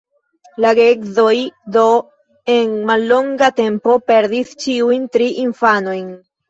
La geedzoj do en mallonga tempo perdis ĉiujn tri infanojn.